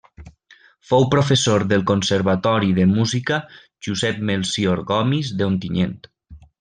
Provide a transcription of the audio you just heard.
Fou professor del Conservatori de Música Josep Melcior Gomis d'Ontinyent.